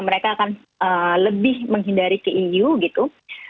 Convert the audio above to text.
mereka akan lebih menghindari ke eu gitu